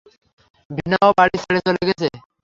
ভীনাও বাড়ি ছেড়ে চলে গেছে।